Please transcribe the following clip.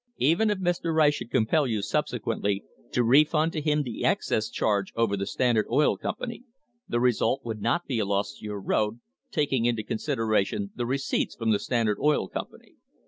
Even if Mr. Rice should compel you, subsequently, to refund to him the excess charge over the Standard Oil Company, the result would not be a loss to your road, taking into con sideration the receipts from the Standard Oil Company."